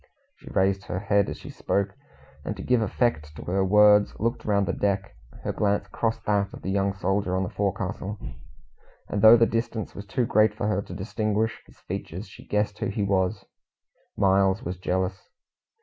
She raised her head as she spoke, and to give effect to her words, looked round the deck. Her glance crossed that of the young soldier on the forecastle, and though the distance was too great for her to distinguish his features, she guessed who he was Miles was jealous.